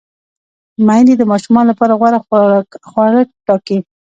میندې د ماشومانو لپاره غوره خواړه ټاکي۔